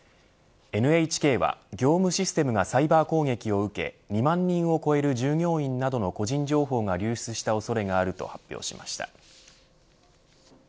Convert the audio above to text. ＮＨＫは、業務システムがサイバー攻撃を受け２万人を超える従業員などの個人情報が流出した恐れがあると発表しました。